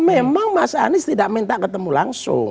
memang mas anies tidak minta ketemu langsung